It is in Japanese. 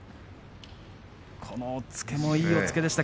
この押っつけもいい押っつけでした。